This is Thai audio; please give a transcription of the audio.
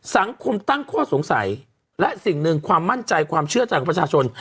สังคมตั้งข้อสงสัยและสิ่งหนึ่งความมั่นใจความเชื่อใจของประชาชน